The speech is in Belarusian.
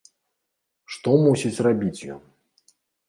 Што мусіць рабіць ён?